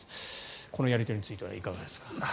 このやり取りについてはいかがですか？